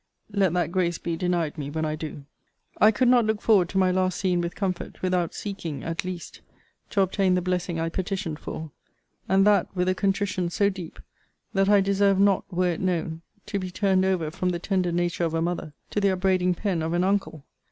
Let that grace be denied me when I do. I could not look forward to my last scene with comfort, without seeking, at least, to obtain the blessing I petitioned for; and that with a contrition so deep, that I deserved not, were it known, to be turned over from the tender nature of a mother, to the upbraiding pen of an uncle!